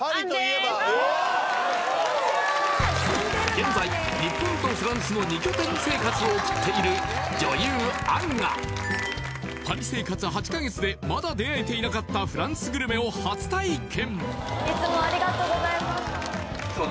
現在日本とフランスの２拠点生活を送っている女優・杏がパリ生活８カ月でまだ出会えていなかったフランスグルメを初体験！